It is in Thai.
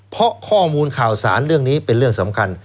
เพราะข้อมูลข่าวสารเรื่องนี้เป็นเรื่องสำคัญ